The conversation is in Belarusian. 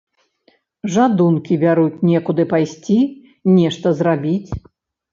Жадункі бяруць некуды пайсці, нешта зрабіць.